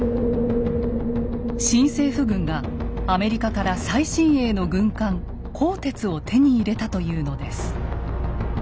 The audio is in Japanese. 新政府軍がアメリカから最新鋭の軍艦「甲鉄」を手に入れたというのです。